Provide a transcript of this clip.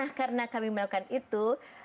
nah karena kami melakukan itu